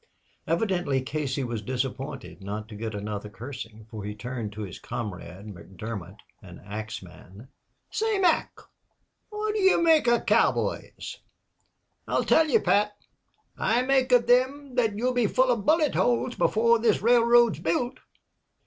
Evidently Casey was disappointed not to get another cursing, for he turned to his comrade, McDermott, an axman. "Say, Mac, phwot do you make of cowboys?" "I tell ye, Pat, I make of thim thet you'll be full of bulletholes before this railroad's built."